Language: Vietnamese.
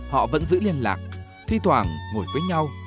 họ vẫn giữ liên lạc thi thoảng ngồi với nhau